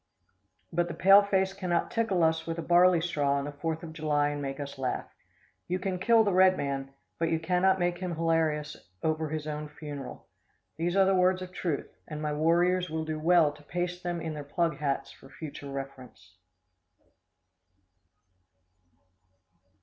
But the pale face cannot tickle us with a barley straw on the Fourth of July and make us laugh. You can kill the red man, but you cannot make him hilarious over his own funeral. These are the words of truth, and my warriors will do well to paste them in their plug hats for future reference.